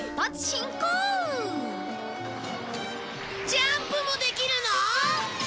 ジャンプもできるの！？